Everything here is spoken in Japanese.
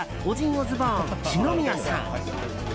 オズボーン篠宮さん